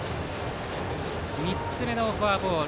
３つ目のフォアボール。